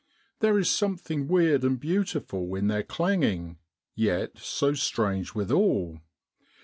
There is something weird and beauti ful in their clanging, yet so strange withal.